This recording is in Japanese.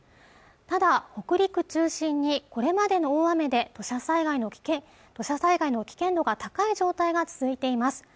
ただ北陸中心にこれまでの大雨で土砂災害の危険度高い状態が続いています